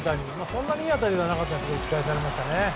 そんなにいい当たりではなかったけど打ち返されましたね。